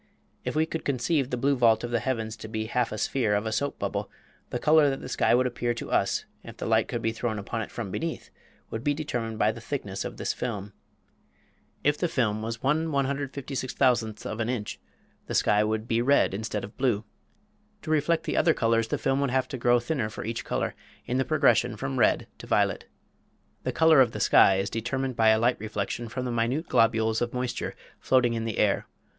If we could conceive the blue vault of the heavens to be half a sphere of a soap bubble, the color that the sky would appear to us (if the light could be thrown upon it from beneath) would be determined by the thickness of this film. If the film was 1 156,000 of an inch the sky would be red instead of blue. To reflect the other colors the film would have to grow thinner for each color, in the progression from red to violet. The color of the sky is determined by a light reflection from minute globules of moisture floating in the air.